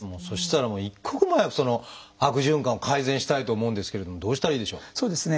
そしたら一刻も早くその悪循環を改善したいと思うんですけれどもどうしたらいいでしょう？